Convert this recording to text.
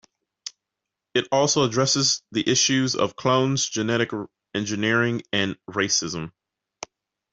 It also addresses the issues of clones, genetic engineering and racism.